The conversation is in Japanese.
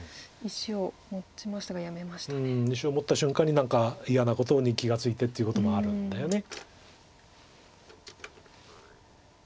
石を持った瞬間に何か嫌なことに気が付いてってこともあるんだよね。